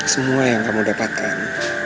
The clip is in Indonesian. semua yang kamu dapatkan